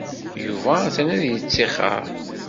Yuba atan ad yettixer.